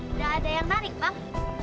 udah ada yang tarik bang